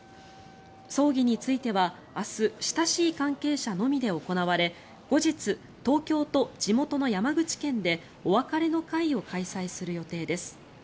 葬儀については明日、親しい関係者のみで行われ後日、東京と地元の山口県でお別れの会を開催する予定です。